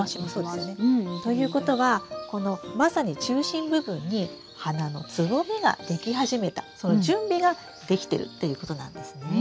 ということはこのまさに中心部分に花のつぼみができ始めたその準備ができてるっていうことなんですね。